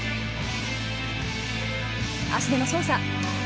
足での操作。